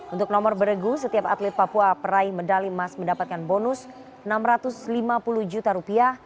untuk nomor beregu setiap atlet papua peraih medali emas mendapatkan bonus rp enam ratus lima puluh juta rupiah